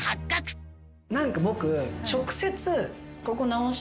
何か僕。